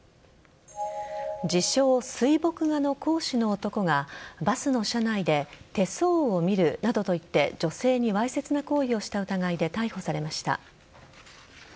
自称・水墨画の講師の男がバスの車内で手相を見るなどと言って女性にわいせつな行為をした疑いで逮捕されました。